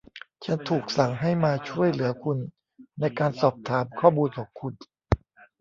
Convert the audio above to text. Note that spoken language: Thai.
ฉันถูกสั่งให้มาช่วยเหลือคุณในการสอบถามข้อมูลของคุณ